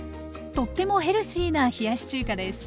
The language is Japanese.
とってもヘルシーな冷やし中華です。